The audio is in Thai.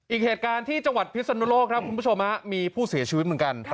อีกเหตุการณ์ที่จังหวัดพิศนุโลกครับคุณผู้ชมมีผู้เสียชีวิตเหมือนกัน